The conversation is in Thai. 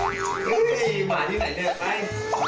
หื้อหมาที่ไหนเดินไป